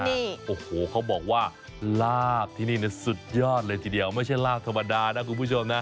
โอ้โหเขาบอกว่าลากที่นี่สุดยอดเลยทีเดียวไม่ใช่ลาบธรรมดานะคุณผู้ชมนะ